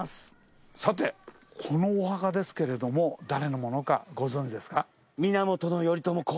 さてこのお墓ですけれども誰のものかご存じですか？